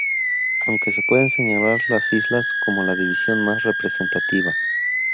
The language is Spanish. Aunque se pueden señalar las islas como la división más representativa.